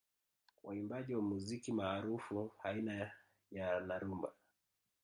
Waimbaji wa muziki maarufu aina ya na rumba